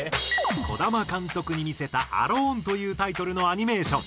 児玉監督に見せた『ａｌｏｎｅ』というタイトルのアニメーション。